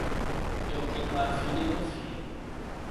Eu tenho uma filha e um filho.